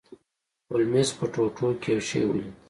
هولمز په ټوټو کې یو شی ولید.